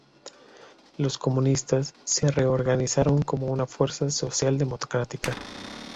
Los comunistas se reorganizaron como una fuerza socialdemócrata.